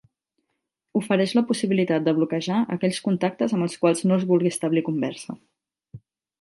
Ofereix la possibilitat de bloquejar aquells contactes amb els quals no es vulgui establir conversa.